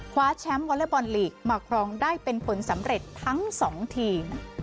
คว้าแชมป์วอเล็กบอลลีกมาครองได้เป็นผลสำเร็จทั้ง๒ทีม